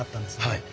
はい。